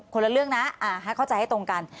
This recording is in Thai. คนละเรื่องนะให้เข้าใจให้ตรงกัน